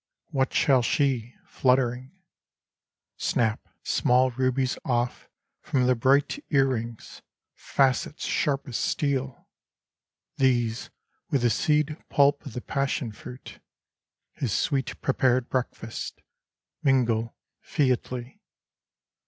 What shall she, fluttering? Snap small rubies off From the bright ear rings, facets sharp as steel : These with the seed'pulp of the passion'fruit. His sweet prepared breakfast, mingle featly